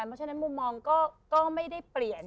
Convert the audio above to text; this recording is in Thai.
เพราะฉะนั้นมุมมองก็ไม่ได้เปลี่ยน